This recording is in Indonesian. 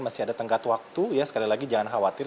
masih ada tenggat waktu ya sekali lagi jangan khawatir